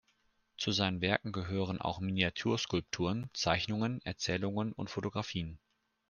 Zu seinen Werken gehören auch Miniatur-Skulpturen, Zeichnungen, Erzählungen und Fotografien.